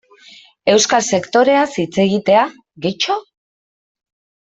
Euskal sektoreaz hitz egitea, gehitxo?